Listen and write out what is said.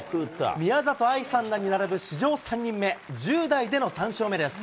宮里藍さんらに並ぶ史上３人目、１０代での３勝目です。